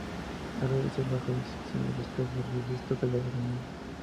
Ha realizado la jurisdicción del Estado de registro de la aeronave.